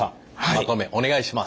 まとめお願いします。